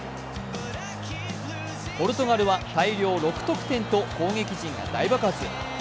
ポルトガルは大量６得点と攻撃陣が大爆発。